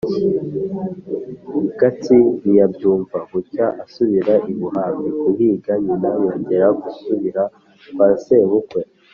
Gatsi ntiyabyumva; bucya asubira i Buhambe guhiga. Nyina yongera gusubira kwa sebukwe.